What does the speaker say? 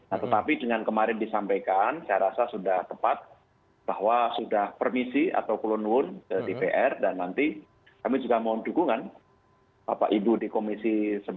nah tetapi dengan kemarin disampaikan saya rasa sudah tepat bahwa sudah permisi atau kulon wun ke dpr dan nanti kami juga mohon dukungan bapak ibu di komisi sebelas